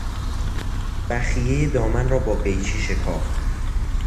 بخیهی دامن را با قیچی شکافت.